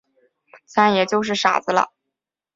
自然也就是傻子了。